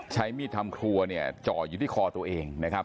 เจาะอยู่ที่คอตัวเองนะครับ